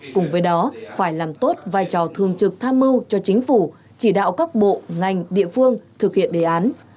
cùng với đó phải làm tốt vai trò thường trực tham mưu cho chính phủ chỉ đạo các bộ ngành địa phương thực hiện đề án